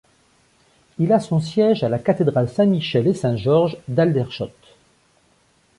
Il a son siège à la cathédrale Saint-Michel et Saint-George d'Aldershot.